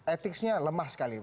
etiknya lemah sekali